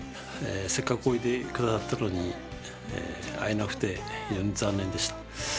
せっかくおいで下さったのに会えなくて非常に残念でした。